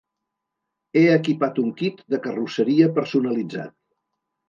He equipat un kit de carrosseria personalitzat.